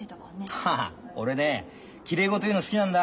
ハハッ俺ねきれいごと言うの好きなんだ。